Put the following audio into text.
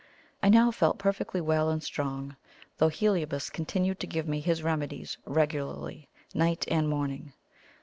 I now felt perfectly well and strong, though Heliobas continued to give me his remedies regularly night and morning.